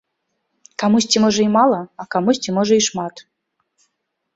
Камусьці можа і мала, а камусьці можа і шмат.